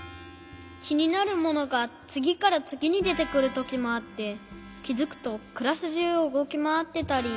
きになるものがつぎからつぎにでてくるときもあってきづくとクラスじゅうをうごきまわってたり。